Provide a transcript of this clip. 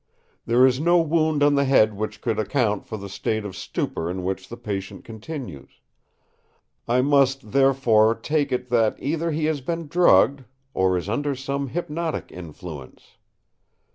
There is no wound on the head which could account for the state of stupor in which the patient continues. I must, therefore, take it that either he has been drugged or is under some hypnotic influence.